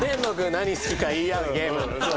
何好きか言い合うゲーム。